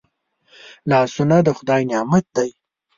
لاسونه د خدای نعمت دی